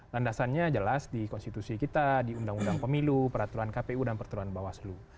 landasannya jelas di konstitusi kita di undang undang pemilu peraturan kpu dan peraturan bawaslu